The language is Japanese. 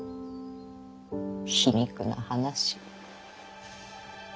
皮肉な話。